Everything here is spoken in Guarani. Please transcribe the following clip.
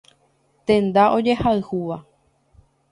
Tenda ojehayhúva.